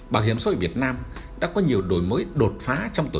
bảo hiểm số ở việt nam đã có nhiều đổi mới đột phá trong tổ chức